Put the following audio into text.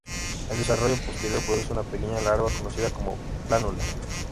El desarrollo posterior produce una pequeña larva, conocida como plánula.